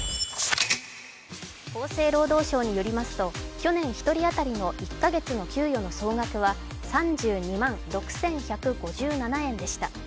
厚生労働省によりますと去年１人当たりの１か月の給与の総額は３２万６１５７円でした。